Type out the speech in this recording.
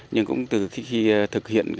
nhưng cũng không có tìm được cái hướng đi mới